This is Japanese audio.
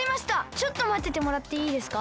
ちょっとまっててもらっていいですか？